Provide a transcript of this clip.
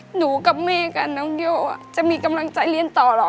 หนูกับแม่กับน้องโย่จะมีกำลังใจเรียนต่อเหรอ